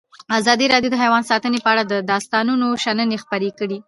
ازادي راډیو د حیوان ساتنه په اړه د استادانو شننې خپرې کړي.